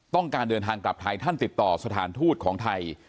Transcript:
ต้องการเดินทางกลับไทยท่านติดต่อสถานทูตของไทย